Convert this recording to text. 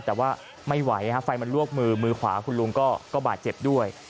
แต่ว่าไม่ไหวไฟมันลวกมือมือขวาคุณลุงก็บาดเจ็บด้วย